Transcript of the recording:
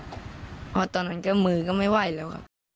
ว่าตอนนั้นมือก็ไม่ไหวเลย